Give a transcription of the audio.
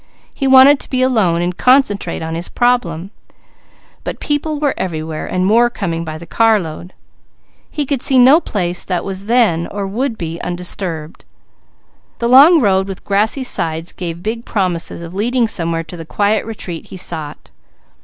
Mickey wanted to be alone to concentrate on his problem, but people were everywhere and more coming by the carload. He could see no place that was then, or would be, undisturbed. The long road with grassy sides gave big promises of leading somewhere to the quiet retreat he sought.